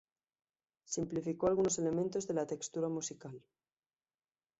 Simplificó algunos elementos de la textura musical.